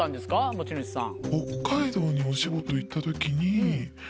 持ち主さん。